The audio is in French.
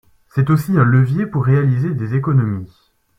C’est aussi un levier pour réaliser des économies.